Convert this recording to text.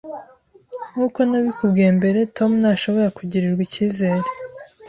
Nkuko nabikubwiye mbere, Tom ntashobora kugirirwa ikizere.